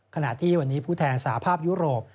ขณะที่วันนี้ผู้แทนสาภาพยุโรป